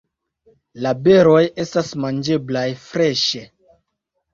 La beroj estas manĝeblaj freŝe.